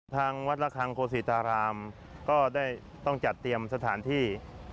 ทางวัดระคังโคศิตรารามก็ได้ต้องจัดเตรียมสถานที่